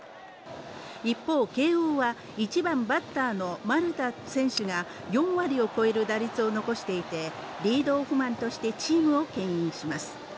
一方、慶応は１番バッターの丸田選手が４割を超える打率を残していてリードオフマンとしてチームをけん引します